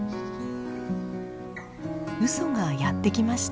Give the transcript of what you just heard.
ウソがやって来ました。